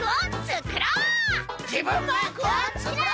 じぶんマークをつくろう！